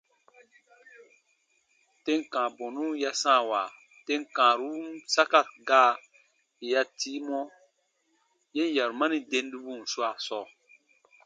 Tem kãa bɔnu ya sãawa tem kãarun saka gaa yè ya tii mɔ yen yarumani dendibun swaa sɔɔ.